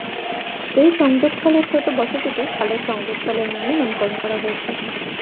এই সংযোগস্থলের ছোট বসতিটি খালের সংযোগস্থলের নামে নামকরণ করা হয়েছে।